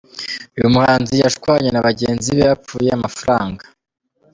Uyu muhanzi yashwanye na bagenzi be bapfuye amafaranga.